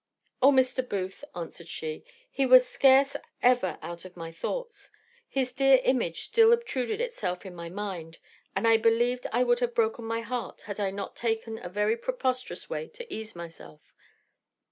"O Mr. Booth," answered she, "he was scarce ever out of my thoughts. His dear image still obtruded itself in my mind, and I believe would have broken my heart, had I not taken a very preposterous way to ease myself.